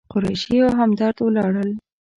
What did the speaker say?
قریشي او همدرد ولاړل.